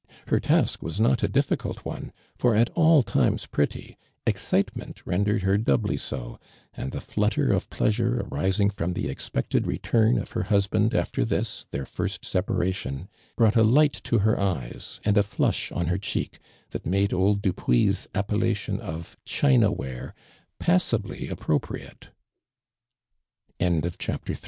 Her task was not a difficult one, for at all times pretty, excitement rendered her doubly so, and the flutter of pleasure arising from the expected return of her husband after this, their first separation, brought a light to her eyes and a flush on her cheek, that made eld Dupuis' appellation of china ware pa.^sably a